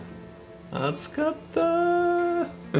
暑かった。